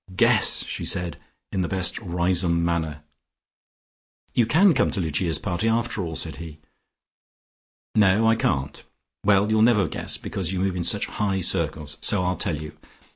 Guess!" she said in the best Riseholme manner. "You can come to Lucia's party after all," said he. "No, I can't. Well, you'll never guess because you move in such high circles, so I'll tell you.